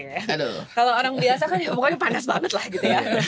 kalau orang biasa kan ya pokoknya panas banget lah gitu ya